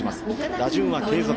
打順は継続。